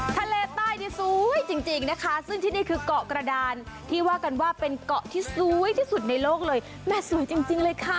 ทะเลใต้นี่สวยจริงนะคะซึ่งที่นี่คือเกาะกระดานที่ว่ากันว่าเป็นเกาะที่สวยที่สุดในโลกเลยแม่สวยจริงเลยค่ะ